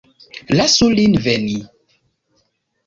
Lasu lin veni.